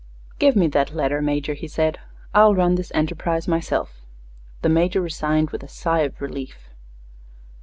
"Give me that letter, Major," he said; "I'll run this enterprise myself." The Major resigned with a sigh of relief.